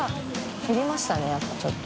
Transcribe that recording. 減りましたねやっぱちょっと。